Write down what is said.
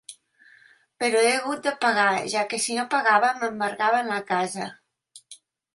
Però he hagut de pagar, ja que si no pagava m’embarguen la casa.